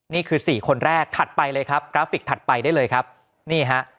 สี่คนแรกถัดไปเลยครับกราฟิกถัดไปได้เลยครับนี่ฮะ